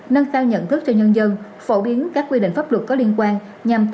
nâng cao nhận thức cho nhân dân phổ biến các quy định pháp luật có liên quan